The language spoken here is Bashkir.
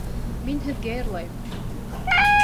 Мин һеҙгә йырлайым